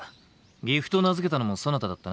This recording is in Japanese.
岐阜と名付けたのもそなただったな。